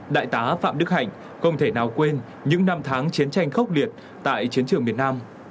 đại tá phạm đức hạnh không thể nào quên những năm tháng chiến tranh khốc liệt tại chiến trường miền nam